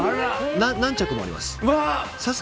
何着もあります。